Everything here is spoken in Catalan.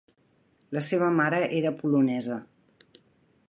La seva mare era polonesa.